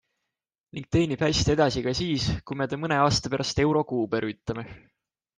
Ning teenib hästi edasi ka siis, kui me ta mõne aasta pärast euro kuube rüütame.